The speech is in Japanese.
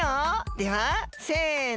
ではせの。